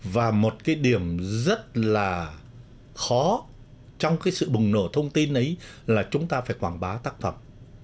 và một cái điểm rất là khó trong cái sự bùng nổ thông tin ấy là chúng ta phải quảng bá tác phẩm